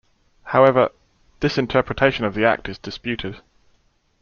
However, this interpretation of the Act is disputed.